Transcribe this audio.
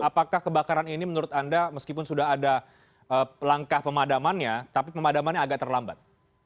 apakah kebakaran ini menurut anda meskipun sudah ada langkah pemadamannya tapi pemadamannya agak terlambat